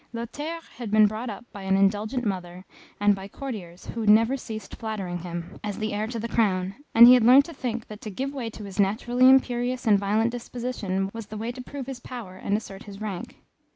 Lothaire had been brought up by an indulgent mother, and by courtiers who never ceased flattering him, as the heir to the crown, and he had learnt to think that to give way to his naturally imperious and violent disposition was the way to prove his power and assert his rank.